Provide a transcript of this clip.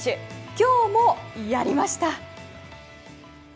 今日もやりました。